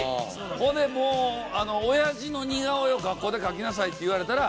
ほんでもう親父の似顔絵を学校で描きなさいって言われたら。